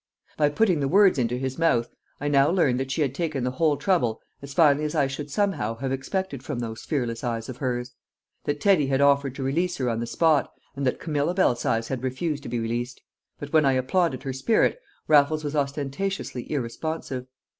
By putting the words into his mouth, I now learnt that she had taken the whole trouble as finely as I should somehow have expected from those fearless eyes of hers; that Teddy had offered to release her on the spot, and that Camilla Belsize had refused to be released; but when I applauded her spirit, Raffles was ostentatiously irresponsive.